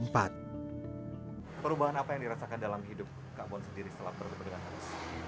perubahan apa yang dirasakan dalam hidup kak bon sendiri setelah bertemu dengan agus